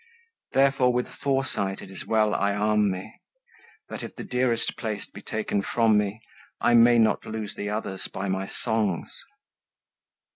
Therefore with foresight it is well I arm me, That, if the dearest place be taken from me, I may not lose the others by my songs.